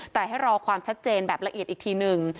แต่ให้รอความชัดเจนแบบละเอียดอีกทีหนึ่ง